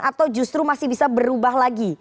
atau justru masih bisa berubah lagi